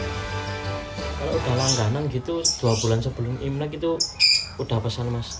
kalau udah langganan gitu dua bulan sebelum imlek itu udah pesan mas